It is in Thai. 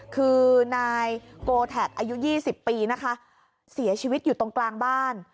คือนายโกแท็กอายุ๒๐ปีนะคะเสียชีวิตอยู่ตรงกลางบ้าน